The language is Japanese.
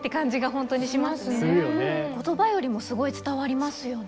言葉よりもすごい伝わりますよね。